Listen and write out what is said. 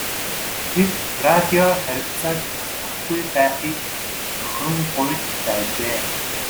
Тэд радио харилцааг таслахгүй байхыг цөхрөн гуйж байжээ.